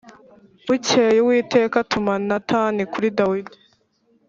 Bukeye Uwiteka atuma Natani kuri Dawidi